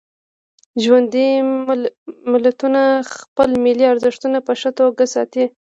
ژوندي ملتونه خپل ملي ارزښتونه په ښه توکه ساتي.